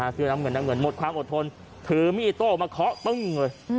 ซื้อน้ำเหนือนหมดความอดทนถือมิอิโต้ออกมาเคาะปึ้งเลย